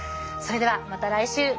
それではまた来週。